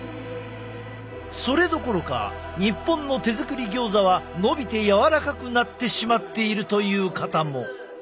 それどころか日本の手作りギョーザはのびて柔らかくなってしまっているという方も。